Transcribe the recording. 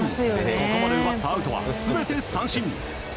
ここまで奪ったアウトは全て三振。